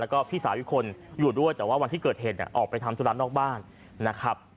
แล้วก็พี่สาวอีกคนอยู่ด้วยแต่ว่าวันที่เกิดเหตุออกไปทำธุระนอกบ้านนะครับ